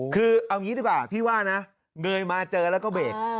คือเอางี้ดีกว่าพี่ว่านะเงยมาเจอแล้วก็เบรก